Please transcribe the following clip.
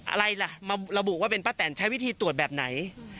อะไรล่ะมาระบุว่าเป็นป้าแตนใช้วิธีตรวจแบบไหน